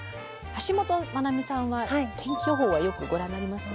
橋本マナミさんは天気予報はよくご覧になります？